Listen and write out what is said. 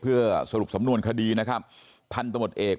เพื่อสรุปสำนวนคดีนะครับพันธมตเอก